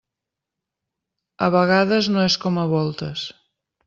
A vegades no és com a voltes.